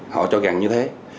họ cho gần như thế